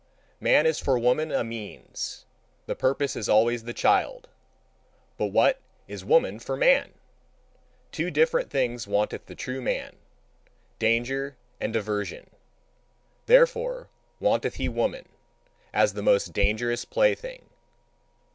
Man is for woman a means: the purpose is always the child. But what is woman for man? Two different things wanteth the true man: danger and diversion. Therefore wanteth he woman, as the most dangerous plaything.